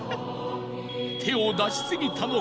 手を出しすぎたのか？